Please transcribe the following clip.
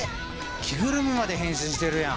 着ぐるみまで変身してるやん。